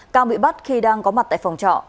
cang bị bắt khi đang có mặt tại phòng trọ